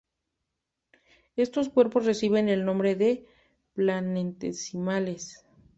Estos cuerpos reciben el nombre de planetesimales.